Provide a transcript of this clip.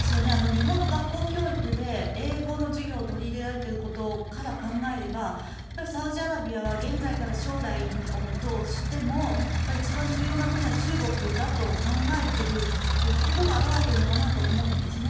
日本の学校教育で英語の授業を取り入れられていることを考えればサウジアラビアは現在から将来を見通しても一番重要な国は中国だと考えていることが表れているのかなと思うんですね。